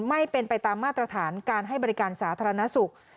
ไม่เป็นไปตามมาตรฐานการให้บริการสาธารณสุข